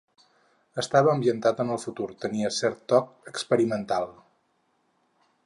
Estava ambientat en el futur, tenia cert toc experimental.